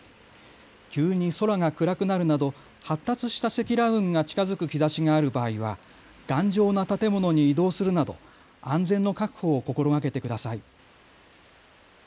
急に空が暗くなるなど、発達した積乱雲が近づく兆しがある場合は頑丈な建物に移動するなど安全の確保を心がけてください。